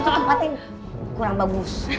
itu tempat yang kurang bagus